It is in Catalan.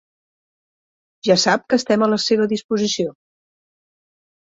Ja sap que estem a la seva disposició.